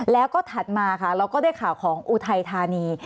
แล้วก็ถัดมาค่ะเราก็ได้ข่าวของอุทัยธานี